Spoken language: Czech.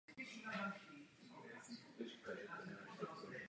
Bitva nyní dosáhla svého vrcholu a habsburská armáda sahala po vítězství.